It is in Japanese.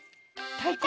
たいこ！